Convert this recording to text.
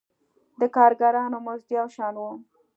د کارګرانو مزد یو شان و.